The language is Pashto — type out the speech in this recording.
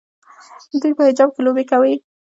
دوی په حجاب کې لوبې کوي.